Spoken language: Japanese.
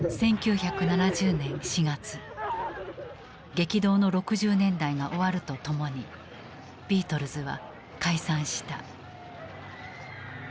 激動の６０年代が終わるとともにビートルズは解散した。